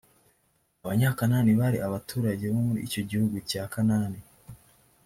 abanyakanani bari abaturage bo muri icyo gihugu cya kanani.